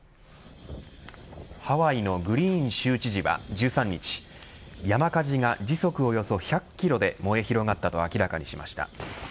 ハワイのグリーン州知事は１３日山火事が時速およそ１００キロで燃え広がったと明らかにしました。